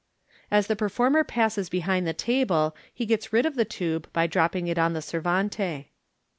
As the performer passes behind the table, he gets rid of the tube by dropping it on the servante.